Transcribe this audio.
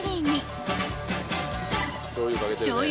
［しょうゆ